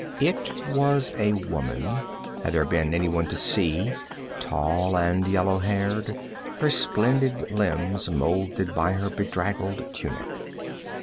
It was a woman, had there been anyone to see, tall and yellow haired, her splendid limbs molded by her draggled tunic.